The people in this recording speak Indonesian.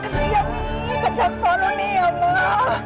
kesian nih kesian polo nih ya allah